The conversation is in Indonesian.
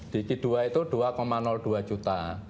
di q dua itu dua dua juta